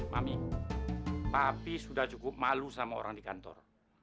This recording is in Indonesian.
mami tapi sudah cukup malu sama orang di kantor